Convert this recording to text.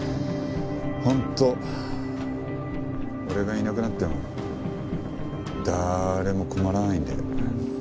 本当俺がいなくなっても誰も困らないんで。